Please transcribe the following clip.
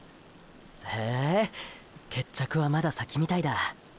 へぇー決着はまだ先みたいだ。